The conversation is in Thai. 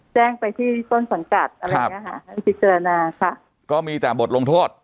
แจ้งไปที่ต้นสังกัดอะไรอย่างเงี้ยค่ะให้พิจารณาค่ะก็มีแต่บทลงโทษ